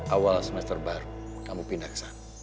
awal semester baru kamu pindah kesana